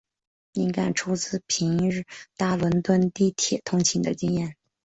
灵感出自平日搭伦敦地铁通勤的经验。